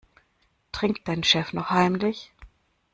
Trinkt dein Chef noch heimlich?